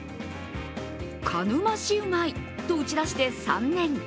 かぬまシウマイと打ち出して３年。